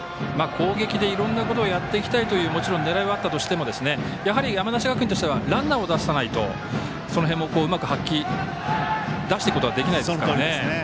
攻撃でいろんなことをやっていきたいという、もちろん狙いはあったとしても山梨学院としてはランナーを出さないとその辺もうまく発揮出していくことができないですね。